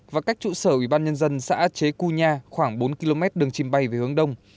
và cách trụ sở ủy ban nhân dân xã chế cua nha khoảng bốn km đường chìm bay về hướng đông